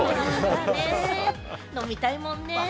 そうね、飲みたいもんね。